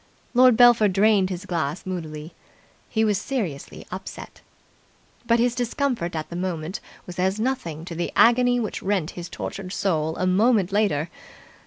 Lord Belpher drained his glass moodily. He was seriously upset. But his discomfort at that moment was as nothing to the agony which rent his tortured soul a moment later.